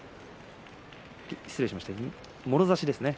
失礼しました、もろ差しですね。